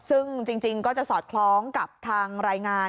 ซึ่งจริงก็จะสอดคล้องกับทางรายงาน